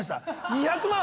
２００万。